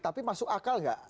tapi masuk akal nggak